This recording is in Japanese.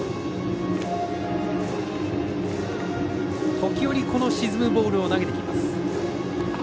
時折、沈むボールを投げてきます。